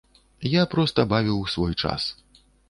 Я проста бавіў свой час.